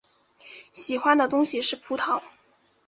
喜欢的东西是葡萄。